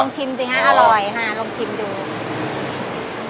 ลองชิมดู